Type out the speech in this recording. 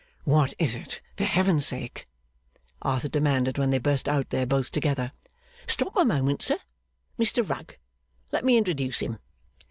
'What is it, for Heaven's sake!' Arthur demanded, when they burst out there both together. 'Stop a moment, sir. Mr Rugg. Let me introduce him.